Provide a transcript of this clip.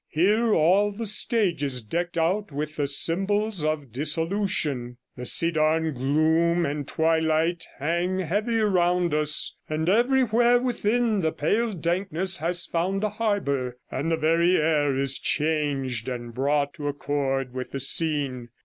Here all the stage is decked out with the symbols of dissolution; the cedarn gloom and twilight hang heavy around us, and everywhere within the pale dankness has found a harbour, and the very air is changed and brought to accord with the scene.